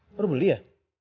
perlu beli ya